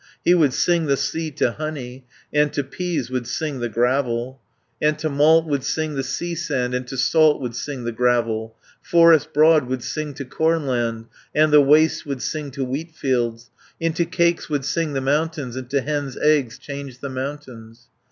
"He would sing the sea to honey, And to peas would sing the gravel, And to malt would sing the seasand, And to salt would sing the gravel, Forest broad would sing to cornland, And the wastes would sing to wheatfields, Into cakes would sing the mountains, And to hens' eggs change the mountains.